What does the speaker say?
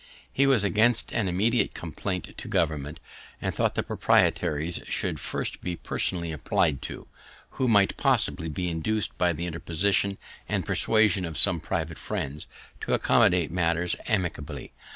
He was against an immediate complaint to government, and thought the proprietaries should first be personally appli'd to, who might possibly be induc'd by the interposition and persuasion of some private friends, to accommodate matters amicably.